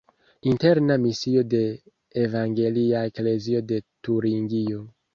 Interna misio de Evangelia eklezio de Turingio.